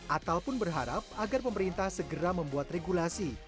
atal pun berharap agar pemerintah segera membuat regulasi